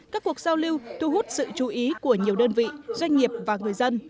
các cuộc giao lưu thu hút sự chú ý của nhiều đơn vị doanh nghiệp và người dân